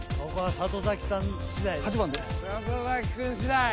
里崎君次第！